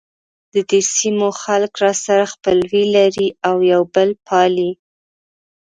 ددې سیمو خلک سره خپلوي لري او یو بل پالي.